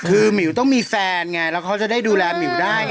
คือหมิวต้องมีแฟนไงเพื่อได้ดูแลหมิวได้อังกฤษ